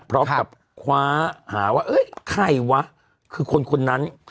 พร้อมกับคว้าหาว่าเอ้ยใครวะคือคนคนนั้น